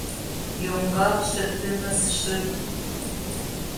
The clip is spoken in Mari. Йоҥгалтше тыныс шып!